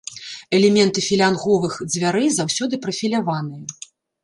Элементы філянговых дзвярэй заўсёды прафіляваныя.